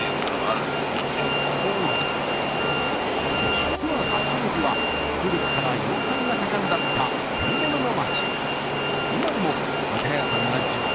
実は八王子は古くから養蚕が盛んだった織物の街。